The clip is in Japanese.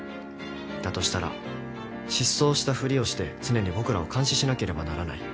だとしたら失踪したふりをして常に僕らを監視しなければならない。